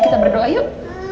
kita berdoa yuk